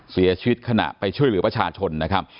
เสียชีวิตขณะไปช่วยเหลือประชาชนนะครับ